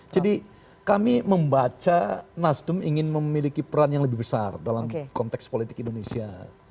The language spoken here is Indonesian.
jadi kami membaca nasdem ingin memiliki peran yang lebih besar dalam konteks politik indonesia